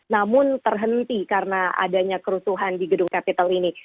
namun terhenti karena adanya kerusuhan di gedung capital ini